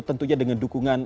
tentunya dengan dukungan